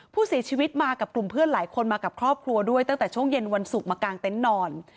ผู้เสียชีวิตมากับกลุ่มเพื่อนหลายคนมากับครอบครัวด้วยตั้งแต่ช่วงเย็นวันศุกร์มากางเต็นต์นอน